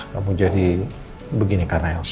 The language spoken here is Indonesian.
kamu jadi begini karena yang